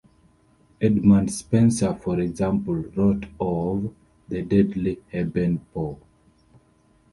Edmund Spenser for example wrote of "the deadly heben bow".